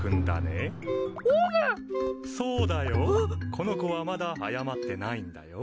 この子はまだ謝ってないんだよ。